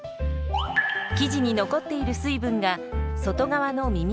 生地に残っている水分が外側のみみへ移るんだそう。